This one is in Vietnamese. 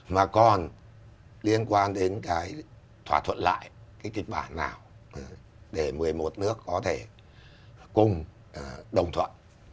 mà còn liên quan đến cái thỏa thuận lại cái kịch bản nào để một mươi một nước có thể cùng đồng thuận